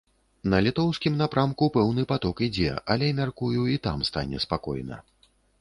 На літоўскім напрамку пэўны паток ідзе, але, мяркую, і там стане спакойна.